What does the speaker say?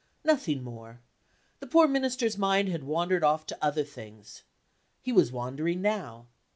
Nothing more; the poor Minister's mind had wandered off to other things. He was wandering now.